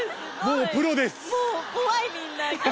もうプロです。